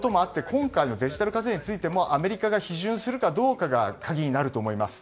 今回のデジタル課税についてもアメリカが批准するかどうかが鍵になると思います。